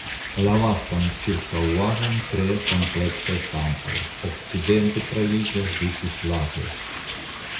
La vastan ĉirkaŭaĵon kreas ampleksaj kampoj; okcidente troviĝas du fiŝlagoj.